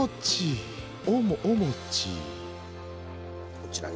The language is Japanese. こちらに。